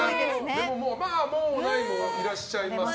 でも、もうないもいらしゃいます。